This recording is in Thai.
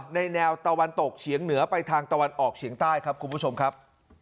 ในแนวตะวันตกเฉียงเหนือไปทางตะวันออกเฉียงใต้ครับคุณผู้ชมครับ